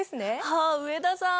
あ上田さん！